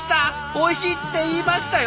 「おいしい」って言いましたよ！